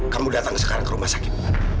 kamu datang sekarang ke rumah sakit